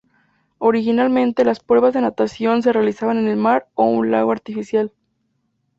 Originalmente, las pruebas de natación se realizaban en el mar o un lago artificial.